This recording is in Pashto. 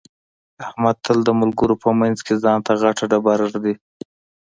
احمد تل د ملګرو په منځ کې ځان ته غټه ډېره ږدي.